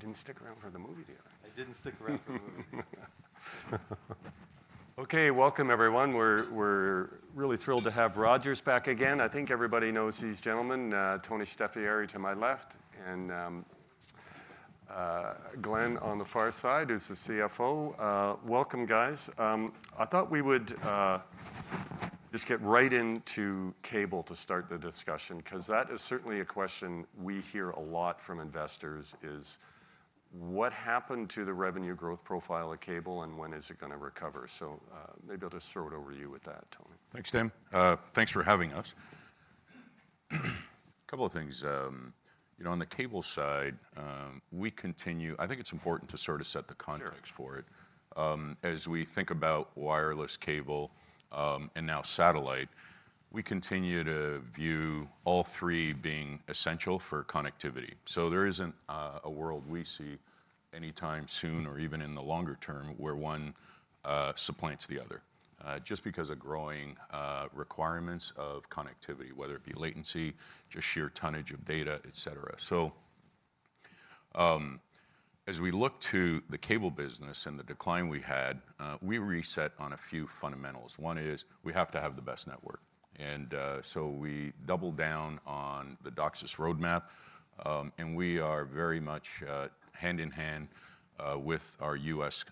You didn't stick around for the movie theater? I didn't stick around for the movie. Okay, welcome everyone. We're really thrilled to have Rogers back again. I think everybody knows these gentlemen, Tony Staffieri to my left, and Glenn on the far side, whose the CFO. Welcome, guys. I thought we would just get right into cable to start the discussion, 'cause that is certainly a question we hear a lot from investors, is: What happened to the revenue growth profile of cable, and when is it gonna recover? So, maybe I'll just throw it over to you with that, Tony. Thanks, Dan. Thanks for having us. A couple of things. You know, on the cable side, we continue. I think it's important to sort of set the context- Sure... for it. As we think about wireless, cable, and now satellite, we continue to view all three being essential for connectivity. So there isn't a world we see anytime soon or even in the longer term, where one supplants the other just because of growing requirements of connectivity, whether it be latency, just sheer tonnage of data, et cetera. So, as we look to the cable business and the decline we had, we reset on a few fundamentals. One is, we have to have the best network, and so we doubled down on the DOCSIS roadmap. And we are very much hand-in-hand with our U.S.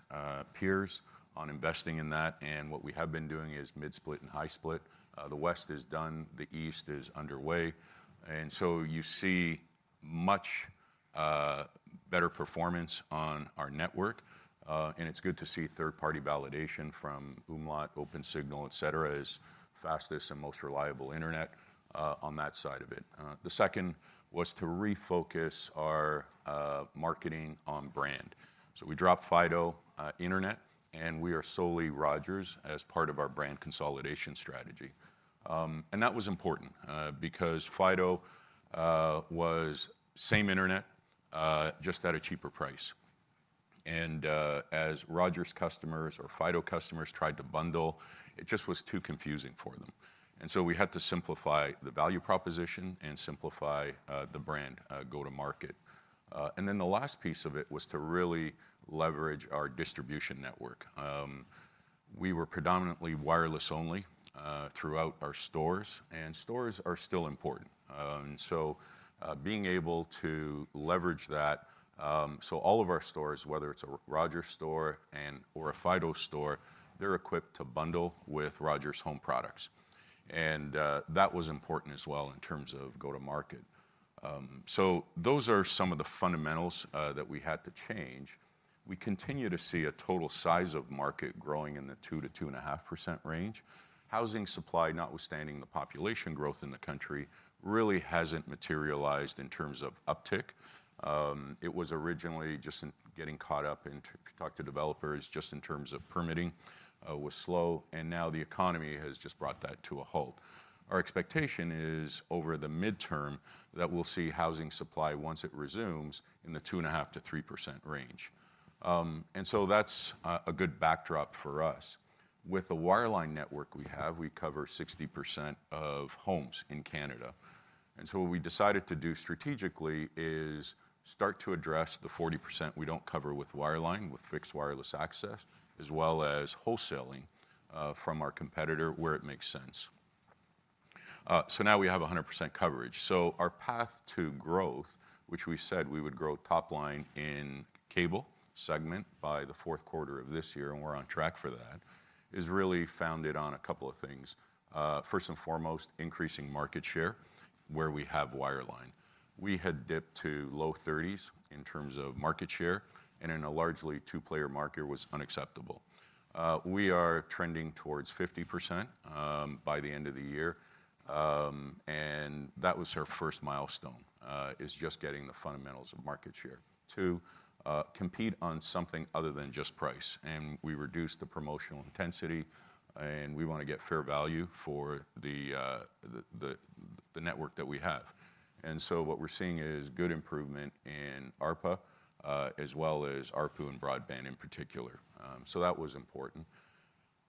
peers on investing in that, and what we have been doing is mid-split and high-split. The West is done, the East is underway. And so you see much better performance on our network, and it's good to see third-party validation from Umlaut, OpenSignal, et cetera, as fastest and most reliable internet on that side of it. The second was to refocus our marketing on brand so we dropped Fido internet, and we are solely Rogers as part of our brand consolidation strategy and that was important because Fido was same internet just at a cheaper price and as Rogers customers or Fido customers tried to bundle, it just was too confusing for them, and so we had to simplify the value proposition and simplify the brand go-to-market, and then the last piece of it was to really leverage our distribution network. We were predominantly wireless-only throughout our stores, and stores are still important. So, being able to leverage that, so all of our stores, whether it's a Rogers store and/or a Fido store, they're equipped to bundle with Rogers' home products. And that was important as well in terms of go-to-market. So those are some of the fundamentals that we had to change. We continue to see a total size of market growing in the 2% to 2.5% range. Housing supply, notwithstanding the population growth in the country, really hasn't materialized in terms of uptick. It was originally just in getting caught up in, to talk to developers, just in terms of permitting, was slow, and now the economy has just brought that to a halt. Our expectation is, over the midterm, that we'll see housing supply, once it resumes, in the 2.5% to 3% range. And so that's a good backdrop for us. With the wireline network we have, we cover 60% of homes in Canada, and so what we decided to do strategically is start to address the 40% we don't cover with wireline, with fixed wireless access, as well as wholesaling from our competitor where it makes sense. So now we have 100% coverage. So our path to growth, which we said we would grow top line in cable segment by the Q4 of this year, and we're on track for that, is really founded on a couple of things. First and foremost, increasing market share where we have wireline. We had dipped to low thirties in terms of market share, and in a largely two-player market, was unacceptable. We are trending towards 50% by the end of the year. And that was our first milestone, is just getting the fundamentals of market share to compete on something other than just price. And we reduced the promotional intensity, and we wanna get fair value for the network that we have. And so what we're seeing is good improvement in ARPA as well as ARPU and broadband in particular. So that was important.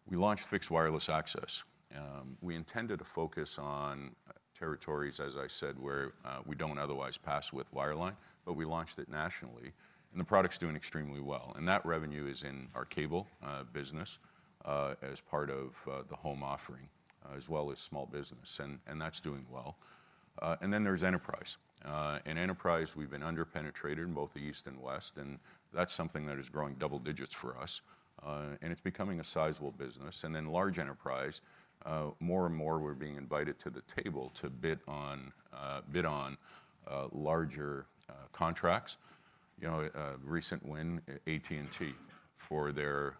We launched fixed wireless access. We intended to focus on territories, as I said, where we don't otherwise pass with wireline, but we launched it nationally, and the product's doing extremely well. And that revenue is in our cable business as part of the home offering as well as small business, and that's doing well. And then there's enterprise. In enterprise, we've been under-penetrated in both the East and West, and that's something that is growing double digits for us, and it's becoming a sizable business. And in large enterprise, more and more, we're being invited to the table to bid on larger contracts. You know, recent win, AT&T, for their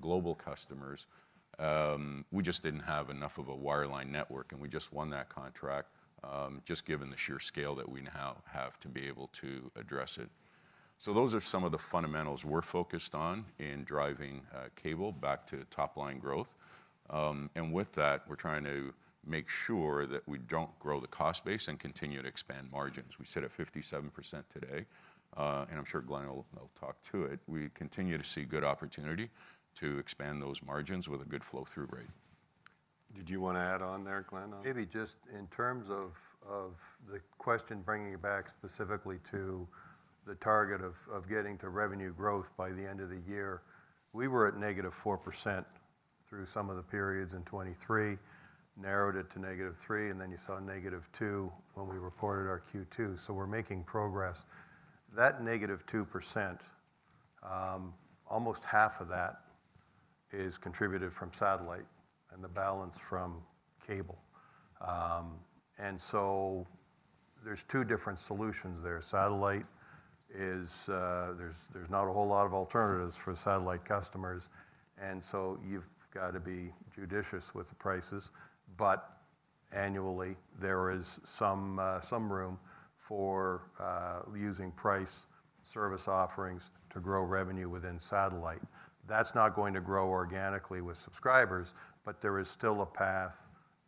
global customers, we just didn't have enough of a wireline network, and we just won that contract, just given the sheer scale that we now have to be able to address it. So those are some of the fundamentals we're focused on in driving cable back to top-line growth. And with that, we're trying to make sure that we don't grow the cost base and continue to expand margins. We sit at 57% today, and I'm sure Glenn will talk to it. We continue to see good opportunity to expand those margins with a good flow-through rate. ... Did you want to add on there, Glenn, on? Maybe just in terms of the question, bringing it back specifically to the target of getting to revenue growth by the end of the year. We were at negative 4% through some of the periods in 2023, narrowed it to negative 3%, and then you saw negative 2% when we reported our Q2, so we're making progress. That negative 2%, almost half of that is contributed from satellite and the balance from cable. And so there's two different solutions there. Satellite is, there's not a whole lot of alternatives for satellite customers, and so you've got to be judicious with the prices. But annually, there is some room for using price service offerings to grow revenue within satellite. That's not going to grow organically with subscribers, but there is still a path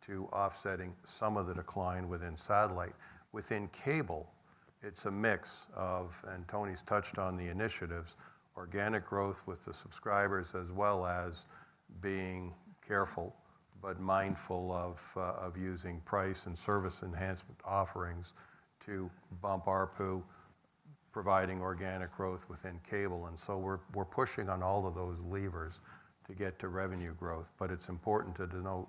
to offsetting some of the decline within satellite. Within cable, it's a mix of... And Tony's touched on the initiatives, organic growth with the subscribers, as well as being careful, but mindful of using price and service enhancement offerings to bump ARPU, providing organic growth within cable. And so we're pushing on all of those levers to get to revenue growth. But it's important to denote,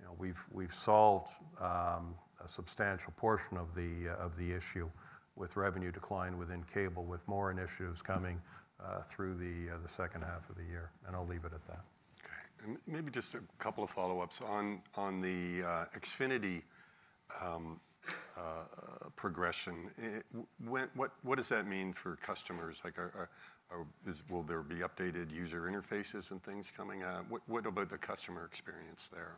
you know, we've solved a substantial portion of the issue with revenue decline within cable, with more initiatives coming through the H2 of the year. And I'll leave it at that. Okay, and maybe just a couple of follow-ups. On the Xfinity progression, what does that mean for customers? Like, are... Will there be updated user interfaces and things coming out? What about the customer experience there?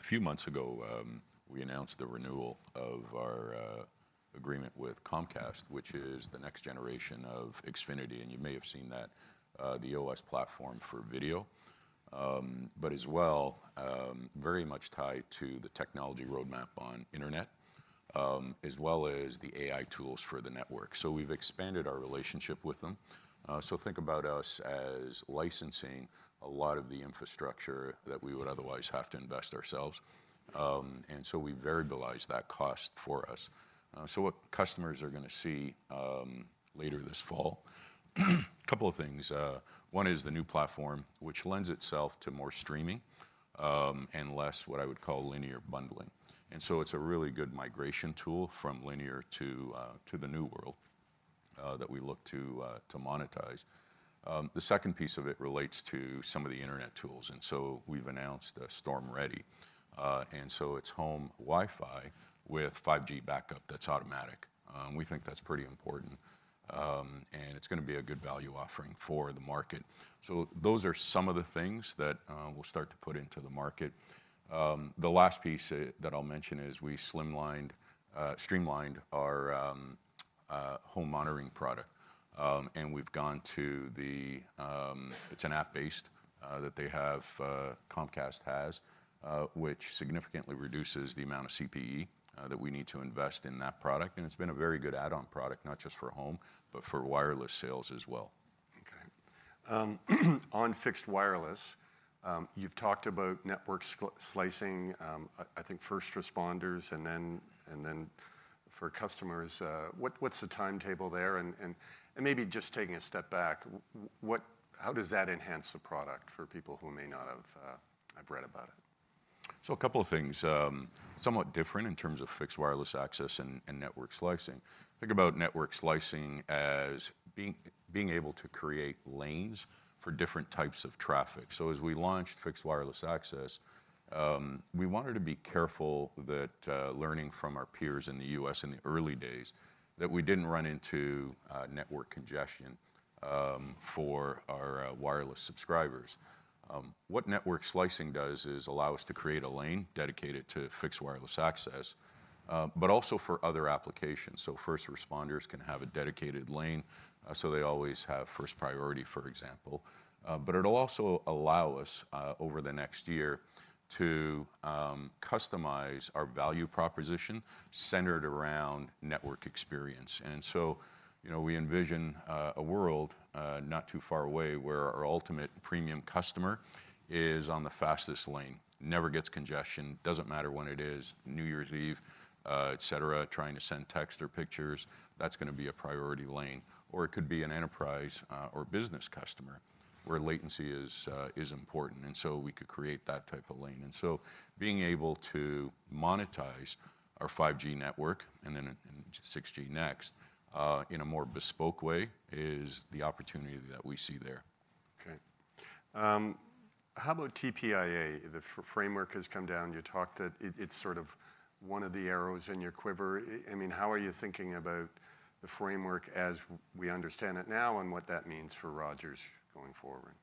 A few months ago, we announced the renewal of our agreement with Comcast, which is the next generation of Xfinity, and you may have seen that, the OS platform for video, but as well very much tied to the technology roadmap on internet, as well as the AI tools for the network so we've expanded our relationship with them so think about us as licensing a lot of the infrastructure that we would otherwise have to invest ourselves and so we variabilize that cost for us so what customers are gonna see later this fall, a couple of things. One is the new platform, which lends itself to more streaming, and less what I would call linear bundling. And so it's a really good migration tool from linear to the new world that we look to monetize. The second piece of it relates to some of the internet tools, and so we've announced Storm-Ready. And so it's home Wi-Fi with 5G backup that's automatic. We think that's pretty important, and it's gonna be a good value offering for the market. So those are some of the things that we'll start to put into the market. The last piece that I'll mention is we streamlined our home monitoring product. And we've gone to the... It's an app-based, that they have, Comcast has, which significantly reduces the amount of CPE, that we need to invest in that product, and it's been a very good add-on product, not just for home, but for wireless sales as well. Okay. On fixed wireless, you've talked about network slicing, I think first responders and then for customers. What's the timetable there? And maybe just taking a step back, how does that enhance the product for people who may not have read about it? So a couple of things. Somewhat different in terms of fixed wireless access and network slicing. Think about network slicing as being able to create lanes for different types of traffic. So as we launched fixed wireless access, we wanted to be careful that, learning from our peers in the U.S. in the early days, that we didn't run into network congestion for our wireless subscribers. What network slicing does is allow us to create a lane dedicated to fixed wireless access, but also for other applications. So first responders can have a dedicated lane, so they always have first priority, for example, but it'll also allow us, over the next year, to customize our value proposition centered around network experience. And so, you know, we envision a world not too far away, where our ultimate premium customer is on the fastest lane, never gets congestion, doesn't matter when it is, New Year's Eve, et cetera, trying to send texts or pictures, that's gonna be a priority lane. Or it could be an enterprise or business customer, where latency is important, and so we could create that type of lane. And so being able to monetize our 5G network, and then 6G next, in a more bespoke way, is the opportunity that we see there. Okay. How about TPIA? The framework has come down, you talked that it, it's sort of one of the arrows in your quiver. I mean, how are you thinking about the framework as we understand it now, and what that means for Rogers going forward?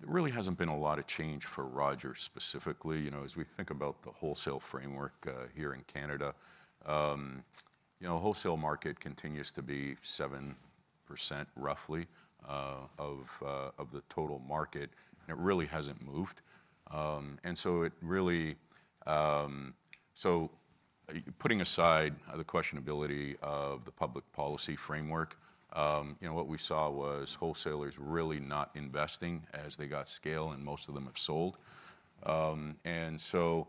There really hasn't been a lot of change for Rogers specifically. You know, as we think about the wholesale framework, here in Canada, you know, wholesale market continues to be 7%, roughly, of the total market, and it really hasn't moved. Putting aside the questionability of the public policy framework, you know, what we saw was wholesalers really not investing as they got scale, and most of them have sold. And so,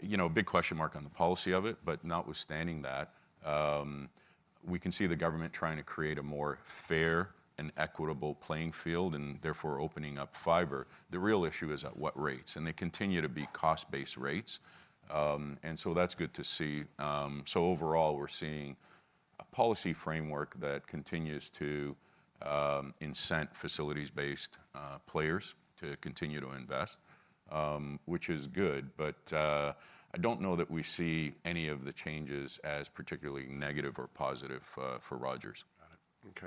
you know, a big question mark on the policy of it, but notwithstanding that, we can see the government trying to create a more fair and equitable playing field, and therefore opening up fiber. The real issue is at what rates, and they continue to be cost-based rates, and so that's good to see. So overall, we're seeing a policy framework that continues to incent facilities-based players to continue to invest, which is good. But I don't know that we see any of the changes as particularly negative or positive for Rogers. Got it.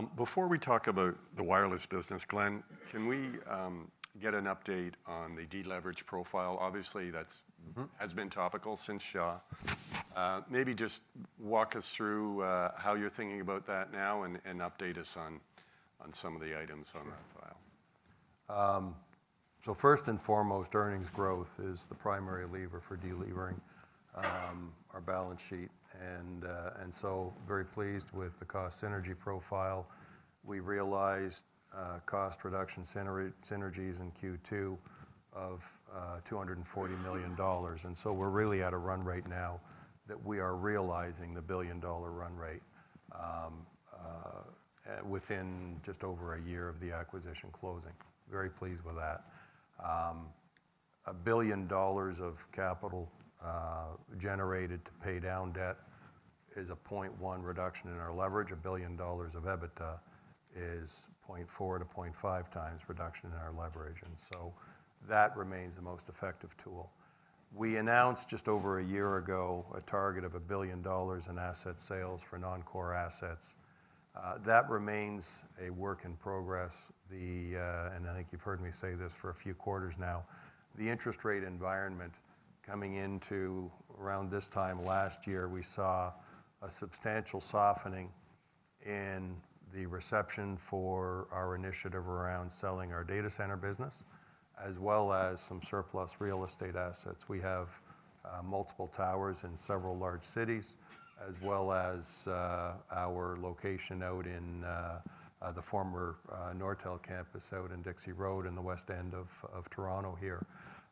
Okay. Before we talk about the wireless business, Glenn, can we get an update on the deleverage profile? Obviously, that's- Mm-hmm... has been topical since Shaw. Maybe just walk us through how you're thinking about that now, and update us on some of the items on that file. So first and foremost, earnings growth is the primary lever for de-levering our balance sheet, and so very pleased with the cost synergy profile. We realized cost reduction synergies in Q2 of 240 million dollars, and so we're really at a run rate now that we are realizing the 1 billion dollar run rate within just over a year of the acquisition closing. Very pleased with that. 1 billion dollars of capital generated to pay down debt is a 0.1 reduction in our leverage. 1 billion dollars of EBITDA is 0.4-0.5x reduction in our leverage, and so that remains the most effective tool. We announced just over a year ago a target of 1 billion dollars in asset sales for non-core assets. That remains a work in progress. The... And I think you've heard me say this for a few quarters now. The interest rate environment coming into around this time last year, we saw a substantial softening in the reception for our initiative around selling our data center business, as well as some surplus real estate assets. We have multiple towers in several large cities, as well as our location out in the former Nortel campus out in Dixie Road, in the west end of Toronto here,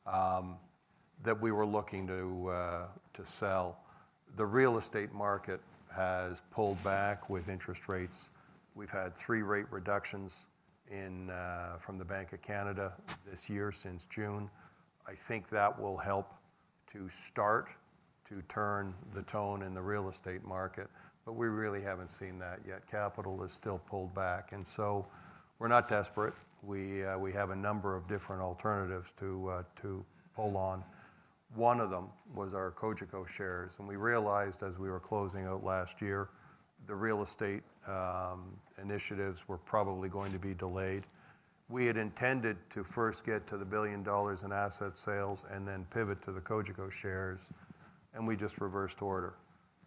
that we were looking to sell. The real estate market has pulled back with interest rates. We've had three rate reductions from the Bank of Canada this year, since June. I think that will help to start to turn the tone in the real estate market, but we really haven't seen that yet. Capital is still pulled back, and so we're not desperate. We, we have a number of different alternatives to, to pull on. One of them was our Cogeco shares, and we realized as we were closing out last year, the real estate, initiatives were probably going to be delayed. We had intended to first get to 1 billion dollars in asset sales, and then pivot to the Cogeco shares, and we just reversed order.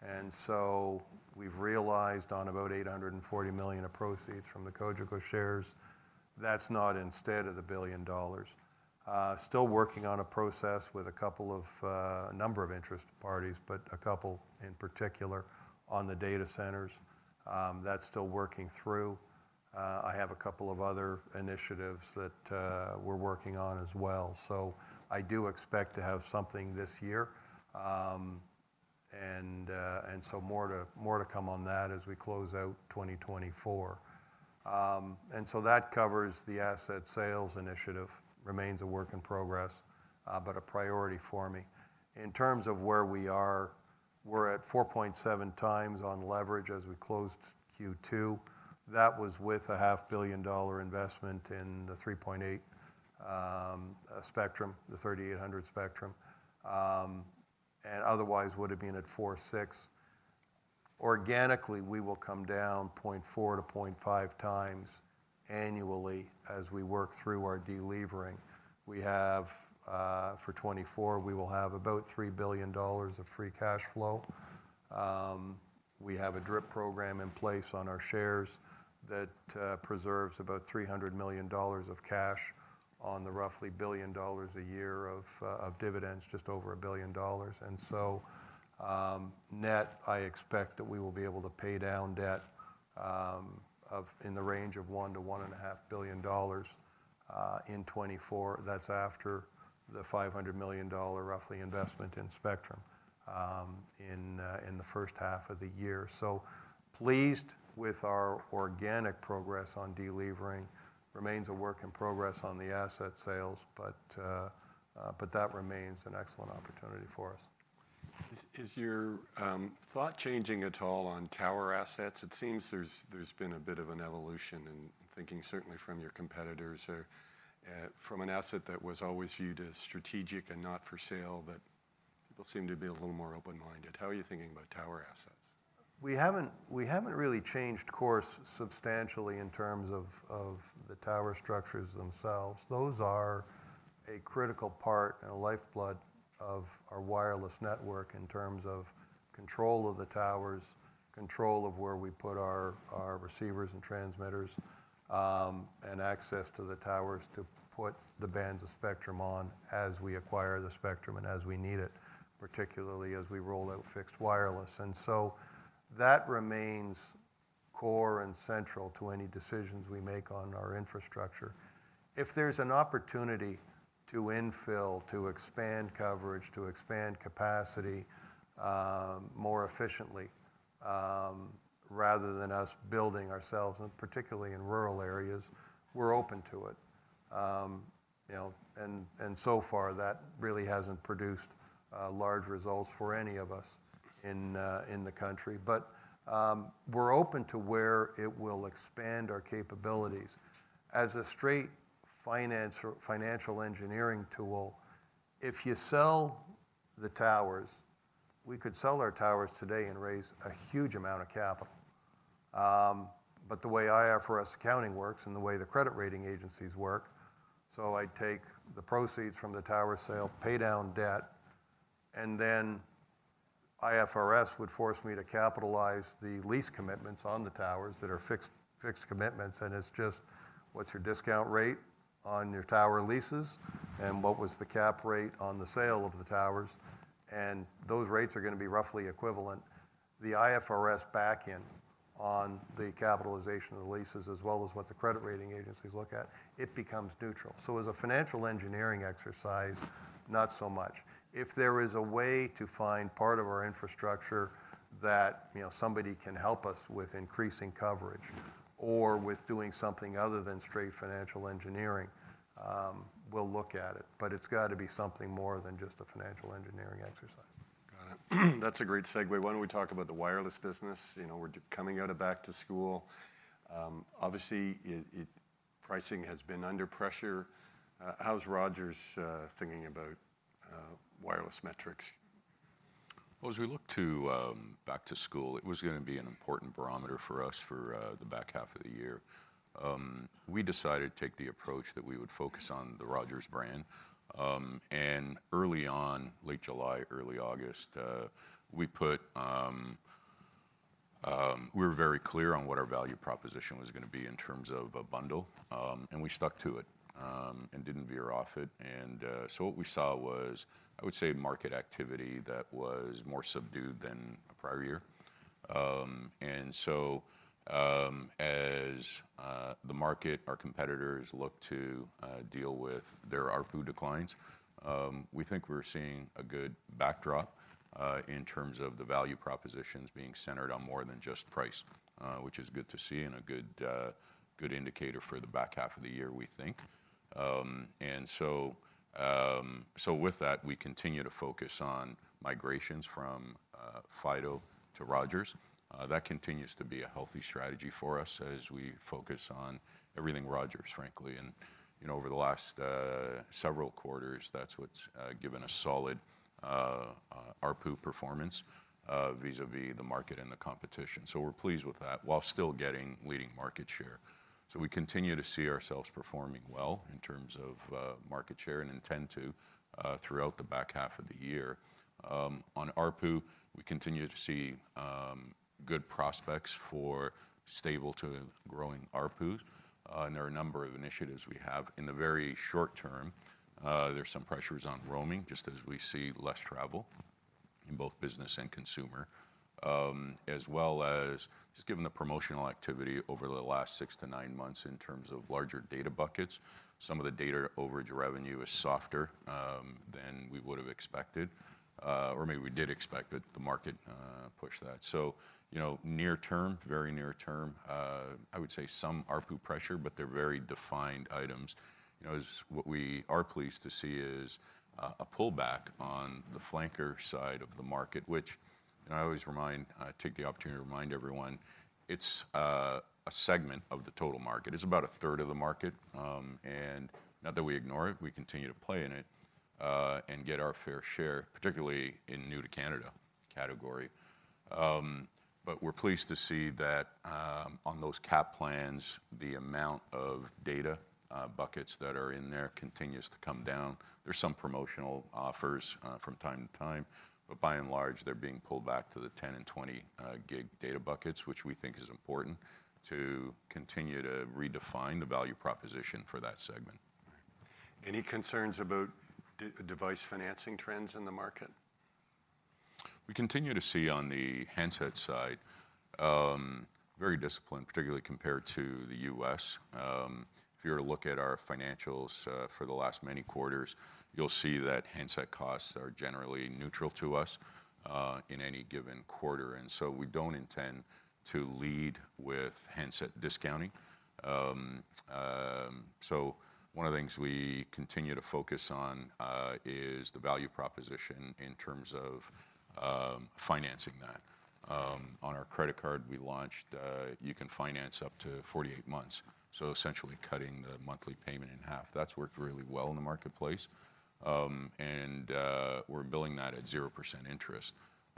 And so we've realized on about 840 million of proceeds from the Cogeco shares, that's not instead of 1 billion dollars. Still working on a process with a couple of, number of interested parties, but a couple in particular on the data centers. That's still working through. I have a couple of other initiatives that, we're working on as well. I do expect to have something this year, and so more to come on that as we close out 2024, and so that covers the asset sales initiative. Remains a work in progress, but a priority for me. In terms of where we are, we're at 4.7 times on leverage as we closed Q2. That was with a 500 million dollar investment in the 3.8 spectrum, the 3,800 spectrum, and otherwise would have been at 4.6. Organically, we will come down 0.4-0.5x annually as we work through our de-levering. We have, for 2024, we will have about 3 billion dollars of free cash flow. We have a DRIP program in place on our shares that preserves about 300 million dollars of cash on the roughly billion dollars a year of dividends, just over a billion dollars. And so, net, I expect that we will be able to pay down debt in the range of 1 to 1.5 billion dollars in 2024. That's after the five hundred million dollar, roughly, investment in spectrum in the H1 of the year. So pleased with our organic progress on de-levering. Remains a work in progress on the asset sales, but that remains an excellent opportunity for us. Is your thought changing at all on tower assets? It seems there's been a bit of an evolution in thinking, certainly from your competitors or from an asset that was always viewed as strategic and not for sale, but people seem to be a little more open-minded. How are you thinking about tower assets? We haven't really changed course substantially in terms of the tower structures themselves. Those are a critical part and a lifeblood of our wireless network, in terms of control of the towers, control of where we put our receivers and transmitters, and access to the towers to put the bands of spectrum on as we acquire the spectrum and as we need it, particularly as we roll out fixed wireless, and so that remains core and central to any decisions we make on our infrastructure. If there's an opportunity to infill, to expand coverage, to expand capacity more efficiently rather than us building ourselves, and particularly in rural areas, we're open to it. You know, and so far, that really hasn't produced large results for any of us in the country. But, we're open to where it will expand our capabilities. As a straight finance or financial engineering tool, if you sell the towers, we could sell our towers today and raise a huge amount of capital. But the way IFRS accounting works and the way the credit rating agencies work, so I take the proceeds from the tower sale, pay down debt, and then IFRS would force me to capitalize the lease commitments on the towers that are fixed commitments, and it's just, what's your discount rate on your tower leases, and what was the cap rate on the sale of the towers? And those rates are gonna be roughly equivalent. The IFRS back-in on the capitalization of the leases, as well as what the credit rating agencies look at, it becomes neutral. So as a financial engineering exercise, not so much. If there is a way to find part of our infrastructure that, you know, somebody can help us with increasing coverage or with doing something other than straight financial engineering, we'll look at it, but it's gotta be something more than just a financial engineering exercise. Got it. That's a great segue. Why don't we talk about the wireless business? You know, we're coming out of back to school. Obviously, it pricing has been under pressure. How's Rogers' thinking about wireless metrics? As we look to back to school, it was gonna be an important barometer for us for the H2 of the year. We decided to take the approach that we would focus on the Rogers brand. Early on, late July, early August, we were very clear on what our value proposition was gonna be in terms of a bundle, and we stuck to it, and didn't veer off it, and so what we saw was, I would say, market activity that was more subdued than the prior year. As the market, our competitors looked to deal with their ARPU declines, we think we're seeing a good backdrop in terms of the value propositions being centered on more than just price, which is good to see, and a good indicator for the H2 of the year, we think. So with that, we continue to focus on migrations from Fido to Rogers. That continues to be a healthy strategy for us as we focus on everything Rogers, frankly. You know, over the last several quarters, that's what's given a solid ARPU performance vis-à-vis the market and the competition. We're pleased with that, while still getting leading market share. So we continue to see ourselves performing well in terms of market share, and intend to throughout the H2 of the year. On ARPU, we continue to see good prospects for stable to growing ARPUs, and there are a number of initiatives we have. In the very short term, there's some pressures on roaming, just as we see less travel in both business and consumer, as well as just given the promotional activity over the last six to nine months, in terms of larger data buckets, some of the data overage revenue is softer than we would have expected, or maybe we did expect, but the market pushed that. So, you know, near term, very near term, I would say some ARPU pressure, but they're very defined items. You know, what we are pleased to see is a pullback on the flanker side of the market, which. And I always remind, I take the opportunity to remind everyone, it's a segment of the total market. It's about 1/3 of the market, and not that we ignore it, we continue to play in it, and get our fair share, particularly in new to Canada category. But we're pleased to see that, on those cap plans, the amount of data buckets that are in there continues to come down. There's some promotional offers from time to time, but by and large, they're being pulled back to the 10 and 20 gig data buckets, which we think is important to continue to redefine the value proposition for that segment. Any concerns about device financing trends in the market? We continue to see on the handset side, very disciplined, particularly compared to the U.S. If you were to look at our financials for the last many quarters, you'll see that handset costs are generally neutral to us in any given quarter, and so we don't intend to lead with handset discounting. So one of the things we continue to focus on is the value proposition in terms of financing that. On our credit card we launched, you can finance up to 48 months, so essentially cutting the monthly payment in half. That's worked really well in the marketplace. And we're billing that at 0% interest.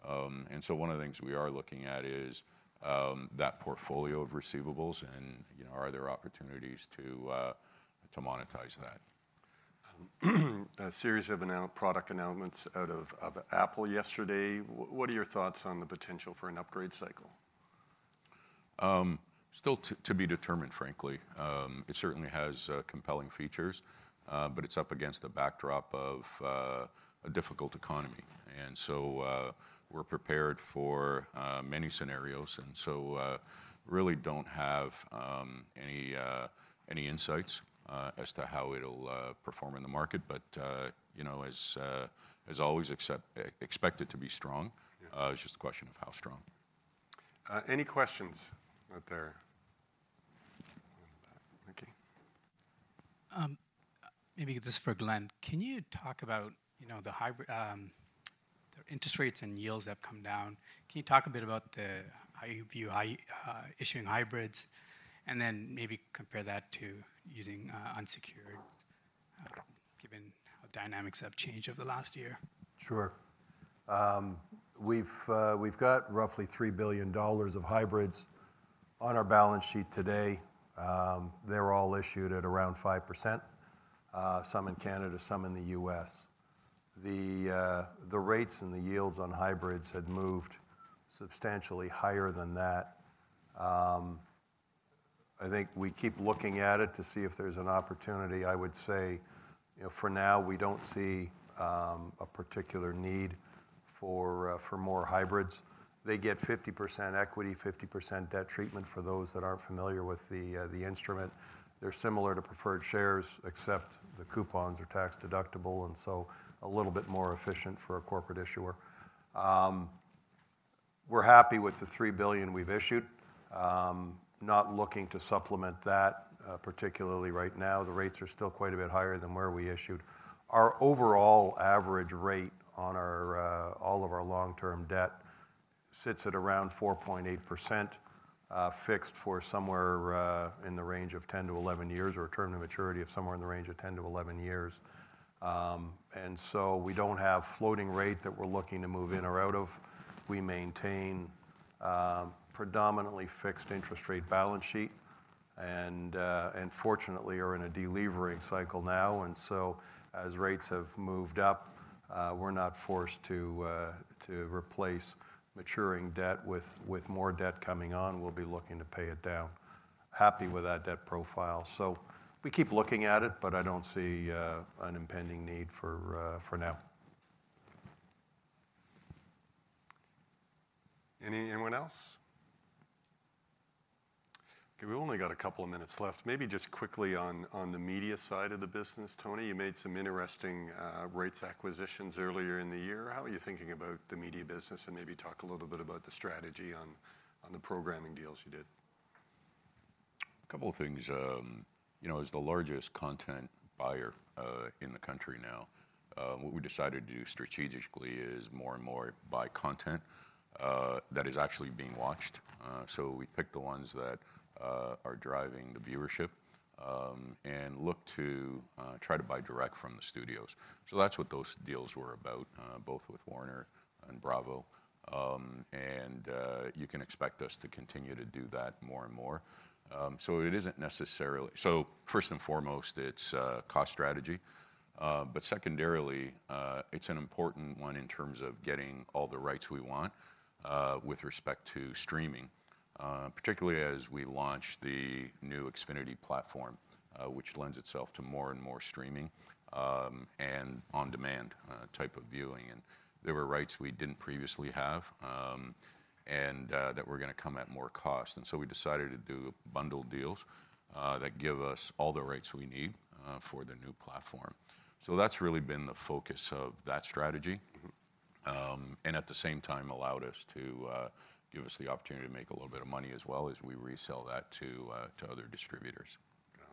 And so one of the things we are looking at is that portfolio of receivables and, you know, are there opportunities to monetize that? A series of product announcements out of Apple yesterday. What are your thoughts on the potential for an upgrade cycle?... still to be determined, frankly. It certainly has compelling features, but it's up against a backdrop of a difficult economy. And so, we're prepared for many scenarios, and so, really don't have any insights as to how it'll perform in the market. But, you know, as always, expect it to be strong. Yeah. It's just a question of how strong. Any questions out there? Okay. Maybe this is for Glenn. Can you talk about, you know, the hybrid, the interest rates and yields have come down. Can you talk a bit about how you view issuing hybrids? And then maybe compare that to using unsecured, given how dynamics have changed over the last year. Sure. We've got roughly $3 billion of hybrids on our balance sheet today. They're all issued at around 5%, some in Canada, some in the U.S. The rates and the yields on hybrids had moved substantially higher than that. I think we keep looking at it to see if there's an opportunity. I would say, you know, for now, we don't see a particular need for more hybrids. They get 50% equity, 50% debt treatment, for those that aren't familiar with the instrument. They're similar to preferred shares, except the coupons are tax deductible, and so a little bit more efficient for a corporate issuer. We're happy with the three billion we've issued. Not looking to supplement that, particularly right now. The rates are still quite a bit higher than where we issued. Our overall average rate on our, all of our long-term debt sits at around 4.8%, fixed for somewhere, in the range of ten to eleven years, or a term to maturity of somewhere in the range of ten to eleven years. And so we don't have floating rate that we're looking to move in or out of. We maintain, predominantly fixed interest rate balance sheet, and and fortunately are in a de-levering cycle now, and so as rates have moved up, we're not forced to, to replace maturing debt. With more debt coming on, we'll be looking to pay it down. Happy with that debt profile. So we keep looking at it, but I don't see, an impending need for, for now. Anyone else? Okay, we've only got a couple of minutes left. Maybe just quickly on the media side of the business. Tony, you made some interesting great acquisitions earlier in the year. How are you thinking about the media business, and maybe talk a little bit about the strategy on the programming deals you did? A couple of things. You know, as the largest content buyer in the country now, what we decided to do strategically is more and more buy content that is actually being watched. So we picked the ones that are driving the viewership and looked to try to buy direct from the studios. So that's what those deals were about, both with Warner and Bravo. And you can expect us to continue to do that more and more. So it isn't necessarily... So first and foremost, it's cost strategy. But secondarily, it's an important one in terms of getting all the rights we want with respect to streaming, particularly as we launch the new Xfinity platform, which lends itself to more and more streaming and on-demand type of viewing. And there were rights we didn't previously have, and that were gonna come at more cost. And so we decided to do bundle deals that give us all the rights we need for the new platform. So that's really been the focus of that strategy. Mm-hmm. And at the same time allowed us to give us the opportunity to make a little bit of money as well as we resell that to other distributors. Got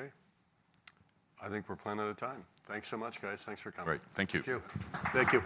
it. Okay. I think we're plenty out of time. Thanks so much, guys. Thanks for coming. Great. Thank you. Thank you. Thank you.